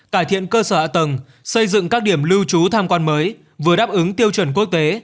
cải thiện cơ sở ạ tầng xây dựng các điểm lưu trú tham quan mới vừa đáp ứng tiêu chuẩn quốc tế